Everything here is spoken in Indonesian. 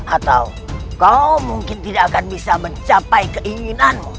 atau kau mungkin tidak akan bisa mencapai keinginanmu